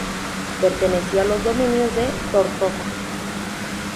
Perteneció a los dominios de Tortosa.